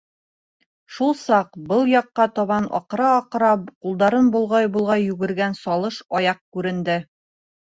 Шул саҡ был яҡҡа табан аҡыра-аҡыра, ҡулдарын болғай-болғай йүгергән салыш аяҡ күренде.